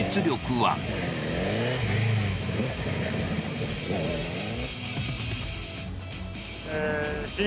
はい。